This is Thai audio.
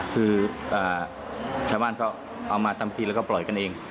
คือชาวบ้านก็เอามาทำทีแล้วก็ปล่อยกันเอง